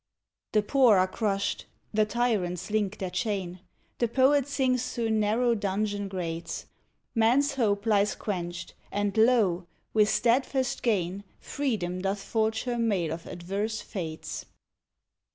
The poor are crushed; the tyrants link their chain; The poet sings through narrow dungeon grates; Man's hope lies quenched; and, lo! with steadfast gain Freedom doth forge her mail of adverse fates.